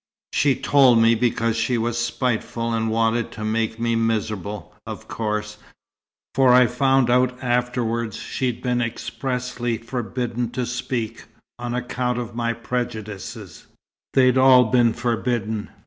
She told me because she was spiteful and wanted to make me miserable, of course, for I found out afterwards she'd been expressly forbidden to speak, on account of my 'prejudices' they'd all been forbidden.